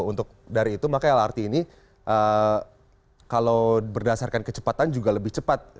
untuk dari itu maka lrt ini kalau berdasarkan kecepatan juga lebih cepat